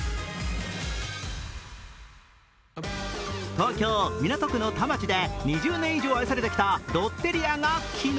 東京・港区の田町で２０年以上愛されてきたロッテリアが昨日、